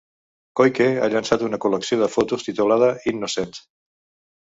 Koike ha llançat ara una col·lecció de fotos titulada Innocence.